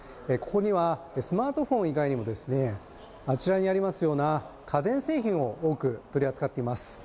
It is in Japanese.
ここにはスマートフォン以外にもあちらにありますような家電製品を多く取り扱っています。